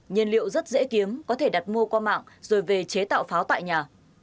nhiên liệu rất dễ kiếm có thể đặt mua qua mạng rồi về chế tạo pháo tại nhà